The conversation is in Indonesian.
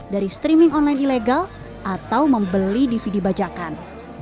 dari streaming online ilegal atau membeli dvd bajakan